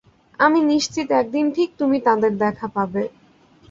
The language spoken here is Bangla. আমি নিশ্চিত একদিন ঠিক তুমি তাদের দেখা পাবে।